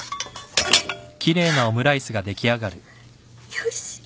よし。